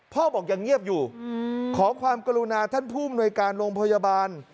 พ่อบอกยังเงียบอยู่ขอความกรุณาท่านผู้อำนวยการโรงพยาบาล